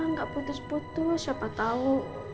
gak putus putus siapa tau